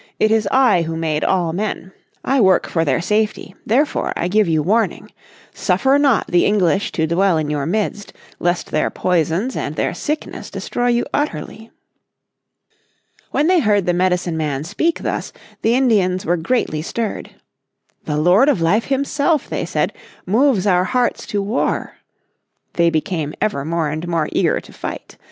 It is I who made all men. I work for their safety, therefore I give you warning. Suffer not the English to dwell in your midst, lest their poisons and their sickness destroy you utterly.'" When they heard the Medicine Man speak thus, the Indians were greatly stirred. "The Lord of Life himself," they said, "moves our hearts to war." They became ever more and more eager to fight.